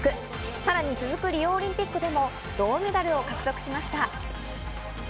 さらに続くリオオリンピックでも銅メダルを獲得しました。